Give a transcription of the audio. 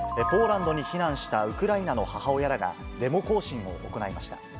ポーランドに避難したウクライナの母親らが、デモ行進を行いました。